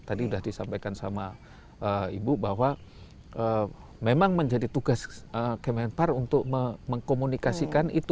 tadi sudah disampaikan sama ibu bahwa memang menjadi tugas kemenpar untuk mengkomunikasikan itu